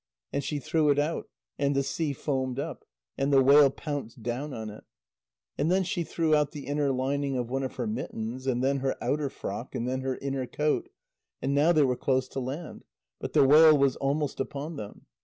And she threw it out, and the sea foamed up, and the whale pounced down on it. And then she threw out the inner lining of one of her mittens, and then her outer frock and then her inner coat, and now they were close to land, but the whale was almost upon them.